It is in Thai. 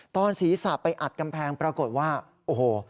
ตอนศีรษะไปอัดกำแพงปรากฏว่าโอ้โห